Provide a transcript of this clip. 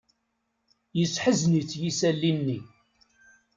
Yesseḥzen-itt yisalli-nni.